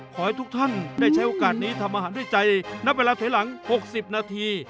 ขอให้ทุกท่านได้ใช้โอกาสนี้ทำอาหารด้วยใจณเวลาถอยหลัง๖๐นาที